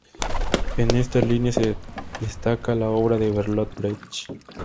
En esta línea se destaca la obra de Bertolt Brecht.